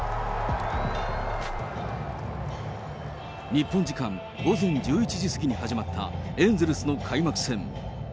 日本時間午前１１時過ぎに始まったエンゼルスの開幕戦。